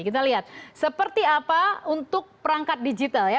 kita lihat seperti apa untuk perangkat digital ya